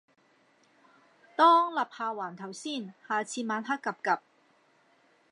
當立下環頭先，下次晚黑 𥄫𥄫